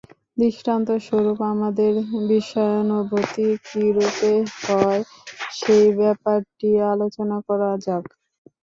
দৃষ্টান্তস্বরূপ আমাদের বিষয়ানুভূতি কিরূপে হয়, সেই ব্যাপারটি আলোচনা করা যাক।